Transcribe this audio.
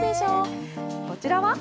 こちらは？